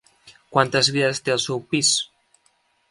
Quantes vides té el seu pis?